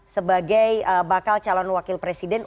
sebagai bakal calon wakil presiden